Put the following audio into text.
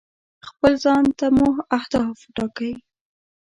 خپل ځان ته مو اهداف ټاکئ.